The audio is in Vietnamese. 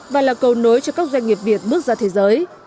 và là cầu nối cho các doanh nghiệp việt bước ra thế giới